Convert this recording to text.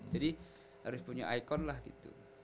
jadi harus punya icon lah gitu